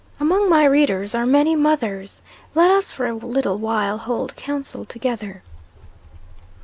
Among my readers are many mothers Let us for a little while hold counsel together.